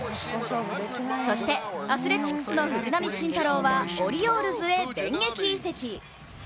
そして、アスレチックスの藤浪晋太郎はオリオールズへ電撃移籍。